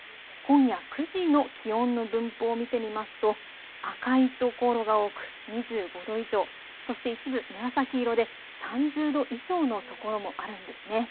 今夜９時の気温の分布を見てみますと赤い所が多く２５度以上、そして一部、紫色で３０度以上の所もあるんですね。